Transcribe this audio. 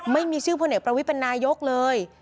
ไม่มีชื่อพลเอกประวิทย์เป็นนายกเลย